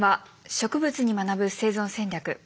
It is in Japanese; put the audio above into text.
「植物に学ぶ生存戦略」。